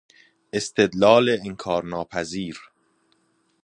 استدلال انکار ناپذیر